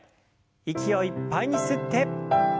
息をいっぱいに吸って。